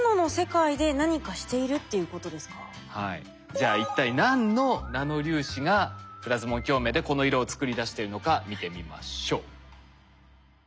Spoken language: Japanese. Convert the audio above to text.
じゃあ一体何のナノ粒子がプラズモン共鳴でこの色を作り出しているのか見てみましょう。